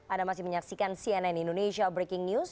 anda masih menyaksikan cnn indonesia breaking news